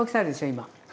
今。